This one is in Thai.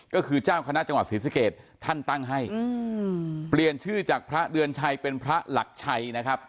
ก็คือเจ้าคณะจังหวัดศรีสเกตท่านตั้งให้เปลี่ยนชื่อจากพระเดือนชัยเป็นพระหลักชัยนะครับ